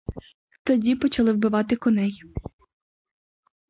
Тоді почали вбивати коней.